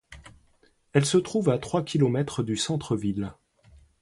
Elle se trouve à trois kilomètres du centre-ville.